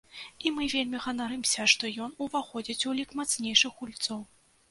І мы вельмі ганарымся, што ён уваходзіць у лік мацнейшых гульцоў.